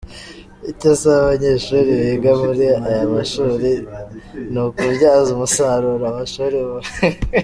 Icyo asaba abanyeshuri biga muri aya mashuri ni ukubyaza umusaruro amashuri bubakiwe.